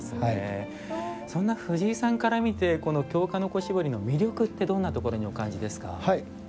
そんな藤井さんから見てこの京鹿の子絞りの魅力ってどんなところにお感じですか。